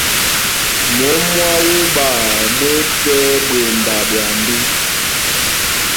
Mǒm mwá wúɓa mú e pɛ́ ɓwemba ɓwambí.